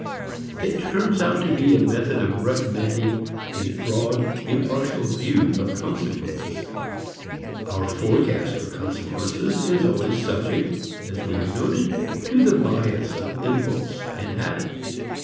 It turns out to be a method of recommending a broad impartial view of consequences. Our forecast of consequences is always subject, as we have noted, to the bias of impulse and habit.